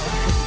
ui đẹp quá